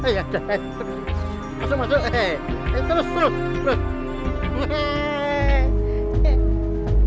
ya ya besok dulu masuk